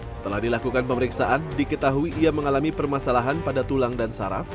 setelah dilakukan pemeriksaan diketahui ia mengalami permasalahan pada tulang dan saraf